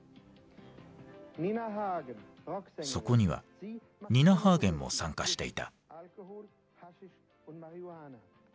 そこにはニナ・ハーゲンも参加していた。